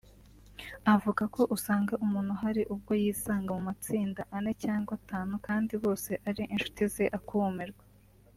Avuga ko usanga umuntu hari ubwo yisanga mu matsinda ane cyangwa atanu kandi bose ari inshuti ze akumirwa